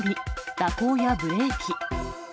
蛇行やブレーキ。